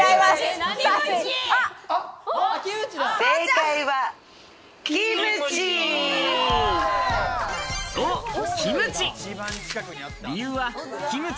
正解はキムチ！